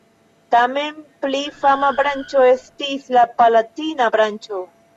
Tamen pli fama branĉo estis la palatina branĉo.